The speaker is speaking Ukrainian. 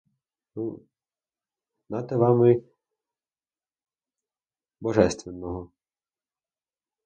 Ну нате вам і божественного.